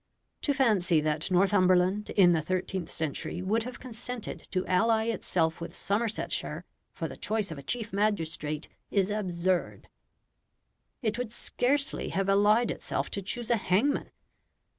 To fancy that Northumberland in the thirteenth century would have consented to ally itself with Somersetshire for the choice of a chief magistrate is absurd; it would scarcely have allied itself to choose a hangman.